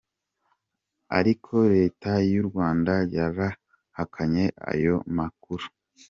Ariko leta y'u Rwanda yarahakanye ayo makuru.